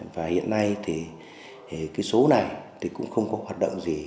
và hiện nay thì cái số này thì cũng không có hoạt động gì